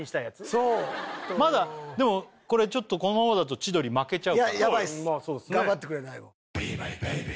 そうまだでもこれちょっとこのままだと千鳥負けちゃうからヤバいっす頑張ってくれ大悟